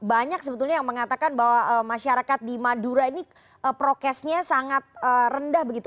banyak sebetulnya yang mengatakan bahwa masyarakat di madura ini prokesnya sangat rendah begitu